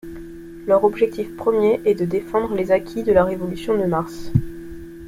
Leur objectif premier est de défendre les acquis de la révolution de mars.